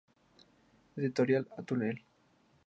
Editorial Atuel.